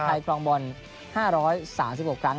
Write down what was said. ปอยคล่องบน๕๓๖ครั้ง